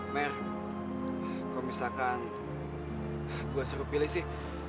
mer kok misalkan gue seru pilih sih